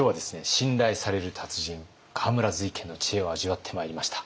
信頼される達人河村瑞賢の知恵を味わってまいりました。